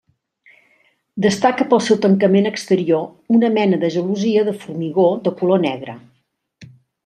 Destaca pel seu tancament exterior, una mena de gelosia de formigó de color negre.